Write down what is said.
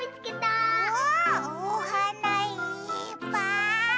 わあおはないっぱい！